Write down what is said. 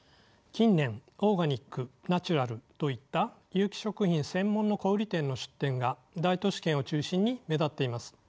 近年オーガニックナチュラルといった有機食品専門の小売店の出店が大都市圏を中心に目立っています。